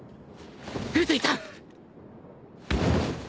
宇髄さん！